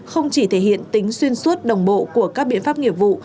không chỉ thể hiện tính xuyên suốt đồng bộ của các biện pháp nghiệp vụ